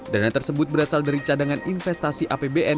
dana tersebut berasal dari cadangan investasi apbn dua ribu dua puluh dua